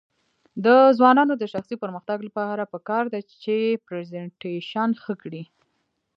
د ځوانانو د شخصي پرمختګ لپاره پکار ده چې پریزنټیشن ښه کړي.